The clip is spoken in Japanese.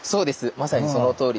まさにそのとおりです。